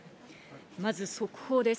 まず速報です。